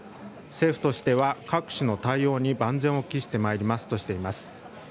政府としては各種の対応に万全を期してまいりますとしています。